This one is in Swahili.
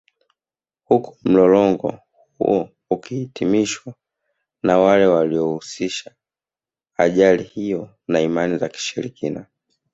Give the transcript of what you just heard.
Huku mlolongo huo ukihitimishwa na wale waliohusisha ajali hiyo na Imani za Kishirikina